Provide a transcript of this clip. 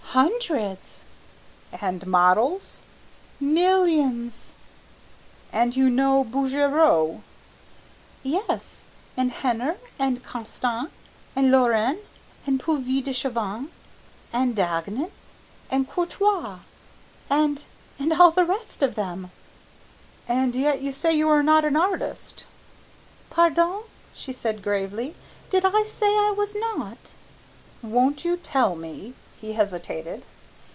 "Hundreds." "And models?" "Millions." "And you know Bouguereau?" "Yes, and Henner, and Constant and Laurens, and Puvis de Chavannes and Dagnan and Courtois, and and all the rest of them!" "And yet you say you are not an artist." "Pardon," she said gravely, "did I say I was not?" "Won't you tell me?" he hesitated.